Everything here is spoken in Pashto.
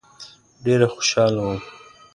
ډېر خوشاله وم.